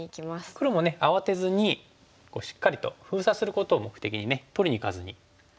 黒もね慌てずにしっかりと封鎖することを目的にね取りにいかずに。